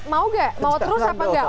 mau gak mau terus apa enggak